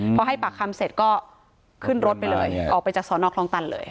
พอให้ปากคำเสร็จก็ขึ้นรถไปเลยออกไปจากสอนอคลองตันเลย